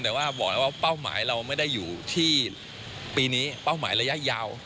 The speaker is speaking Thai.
แต่ว่าบอกแล้วว่าเป้าหมายเราไม่ได้อยู่ที่ปีนี้เป้าหมายระยะยาว